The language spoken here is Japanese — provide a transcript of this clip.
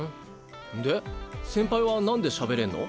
で先輩はなんでしゃべれんの？